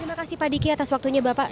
terima kasih pak diki atas waktunya bapak